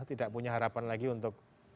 tidak punya harapan lagi untuk